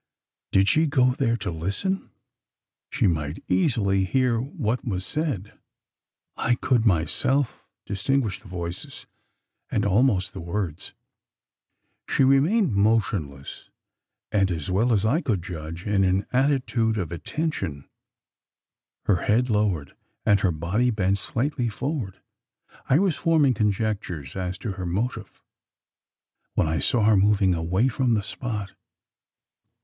Did she go there to listen? She might easily hear what was said: I could myself distinguish the voices, and almost the words. She remained motionless; and, as well as I could judge, in an attitude of attention her head lowered, and her body bent slightly forward. I was forming conjectures as to her motive, when I saw her moving away from the spot.